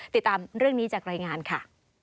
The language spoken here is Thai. ติดตามเรื่องนี้จากรายงานค่ะ